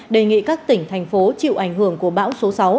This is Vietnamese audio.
đề nghị các tỉnh thành phố chịu ảnh hưởng của bão số sáu